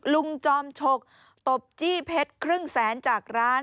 จอมฉกตบจี้เพชรครึ่งแสนจากร้าน